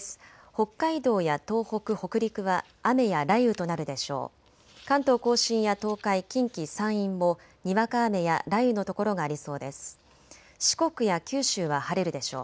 北海道や東北、北陸は雨や雷雨となるでしょう。